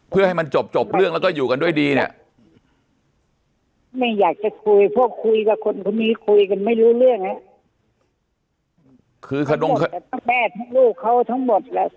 เพื่อให้มันจบจบเรื่องแล้วก็อยู่กันด้วยดีเนี่ยไม่อยากจะคุยพวกคุยกับคนคนนี้คุยกันไม่รู้เรื่องน่ะ